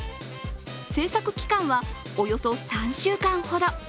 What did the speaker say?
制作期間はおよそ３週間ほど。